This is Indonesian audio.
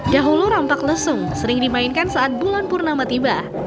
dahulu rampak lesung sering dimainkan saat bulan purnama tiba